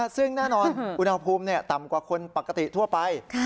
ซึ่งแน่นอนอุณหภูมิต่ำกว่าคนปกติทั่วไป